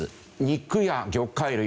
肉や魚介類